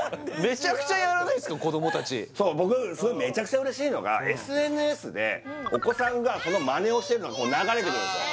子どもたちそう僕それめちゃくちゃ嬉しいのがＳＮＳでお子さんがそのマネをしてるのが流れてくるんですよ